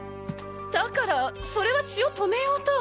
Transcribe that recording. だからそれは血を止めようと。